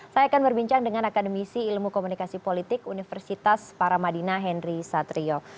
saya akan berbincang dengan akademisi ilmu komunikasi politik universitas paramadina henry satrio